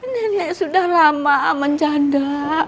nenek sudah lama menjanda